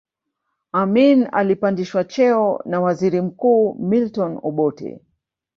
amin alipandishwa cheo na waziri mkuu milton obote